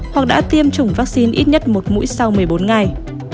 hoặc đã tiêm chủng vaccine ít nhất một mũi sau một mươi bốn ngày